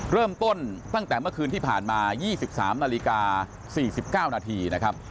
เริ่มต้นตั้งแต่เมื่อคืนที่ผ่านมา๒๓นาฬิกา๔๙นาทีนะครับ